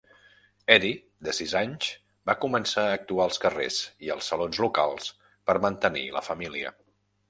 Eddie, de sis anys, va començar a actuar als carrers i als salons locals per mantenir la família.